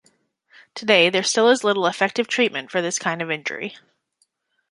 Today, there still is little effective treatment for this kind of injury.